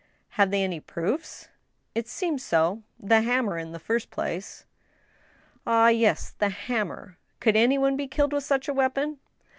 " Have they any proofs ?"" It seems so. The hammer in the first place," " Ah, yes ; the hammer. Could any one be killed with such a weapon